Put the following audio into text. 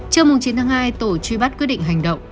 trước mùng chín tháng hai tổ truy bắt quyết định hành động